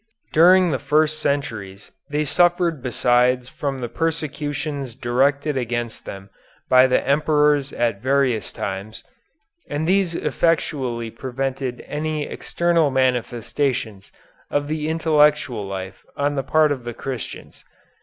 During the first centuries they suffered besides from the persecutions directed against them by the Emperors at various times, and these effectually prevented any external manifestations of the intellectual life on the part of Christians.